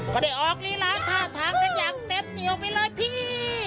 ก็ได้ออกลีลาท่าทางกันอย่างเต็มเหนียวไปเลยพี่